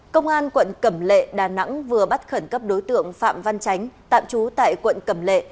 công an quận cẩm lệ đà nẵng vừa bắt khẩn cấp đối tượng phạm văn chánh tạm trú tại quận cẩm lệ